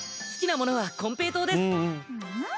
好きなものは金平糖です」